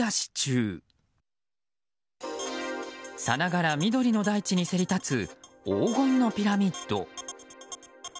さながら緑の大地にせり立つ黄金のピラミッド。